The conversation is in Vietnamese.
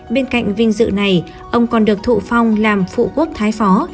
bên cạnh vinh dự này ông còn được thụ phong làm phụ quốc thái phó